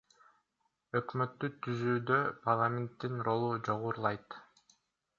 Өкмөттү түзүүдө парламенттин ролу жогорулайт.